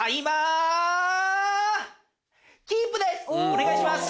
お願いします。